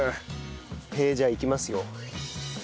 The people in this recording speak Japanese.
へえじゃあいきますよ。